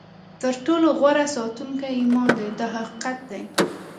تر ټولو غوره ساتونکی ایمان دی دا حقیقت دی.